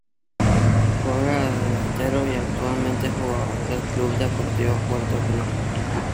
Juega de delantero y actualmente es jugador del Club Deportivo Puerto Cruz.